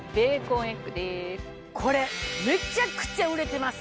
これめちゃくちゃ売れてます。